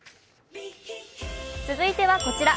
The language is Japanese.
続いてはこちら。